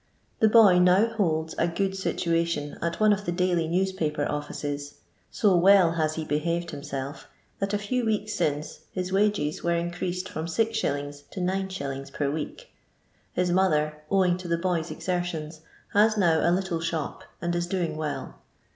The boy now holds a good situation at one of the daily newspaper offices. So well has he behared himself, that, a few weeks since, his wages were increased from 6s. to dt. per week. Hia mother (owing to the boy's exertions) has now a little shop, and is doing well.